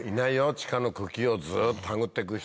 地下の茎をずっと手繰ってく人。